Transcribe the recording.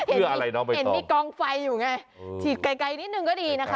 เพื่ออะไรเนาะเห็นมีกองไฟอยู่ไงฉีดไกลนิดนึงก็ดีนะคะ